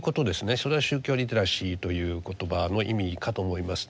それが宗教リテラシーという言葉の意味かと思います。